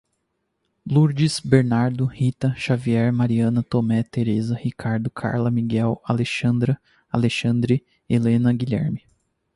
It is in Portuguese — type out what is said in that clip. Lurdes, Bernardo, Rita, Xavier, Mariana, Tomé, Teresa, Ricardo, Carla, Miguel, Alexandra, Alexandre, Helena, Guilherme.